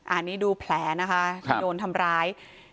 อันนี้ดูแผลนะคะโดนทำร้าย